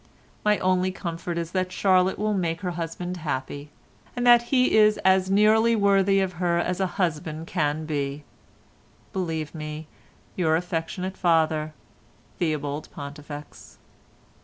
My only comfort is that Charlotte will make her husband happy, and that he is as nearly worthy of her as a husband can well be.—Believe me, Your affectionate father, "THEOBALD PONTIFEX."